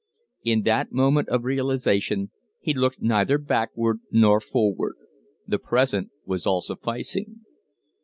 In that moment of realization he looked neither backward nor forward. The present was all sufficing.